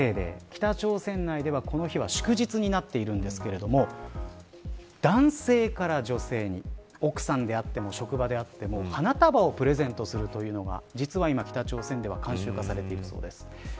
北朝鮮内では、この日は祝日になっているんですが男性から女性に奥さんであっても職場であっても花束をプレゼントするというのが実は今北朝鮮では慣習化されているそうです。